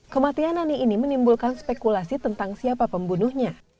kematian nani ini menimbulkan spekulasi tentang siapa pembunuhnya